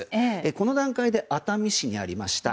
この段階で熱海市にありました。